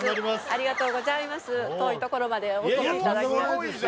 ありがとうございます遠いところまでお越しいただいていやいや